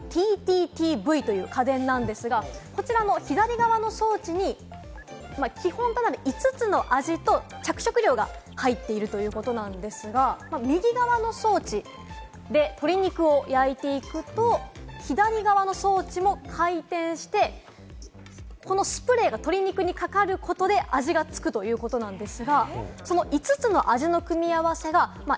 こちらが調味家電のＯｐｅｎ−ＴＴＴＶという家電なんですが、こちらの左側の装置に基本となる５つの味と、着色料が入っているということなんですが、右側の装置で鶏肉を焼いていくと、左側の装置も回転して、このスプレーが鶏肉にかかることで味がつくということなんです。